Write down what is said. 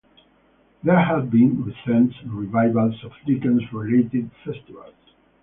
There have been recent revivals of Dickens-related festivals.